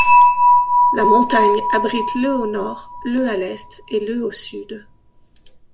La montagne abrite le au nord, le à l'est et le au sud.